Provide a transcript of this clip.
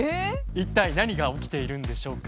一体何が起きているんでしょうか？